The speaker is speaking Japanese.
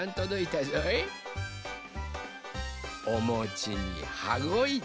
おもちにはごいた。